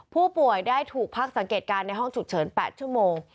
ผู้ป่วยได้ถูกพักสังเกตการณ์ในห้องฉุกเฉิน๘ชั่วโมง